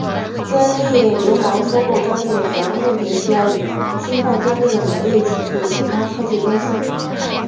专利流氓收购专利的主要目的是要以侵犯专利的名义起诉其他科技公司。